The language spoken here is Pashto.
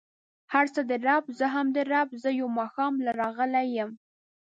هر څه د رب، زه هم د رب، زه يو ماښام له راغلی يم.